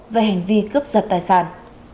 về hành vi cướp giật tài sản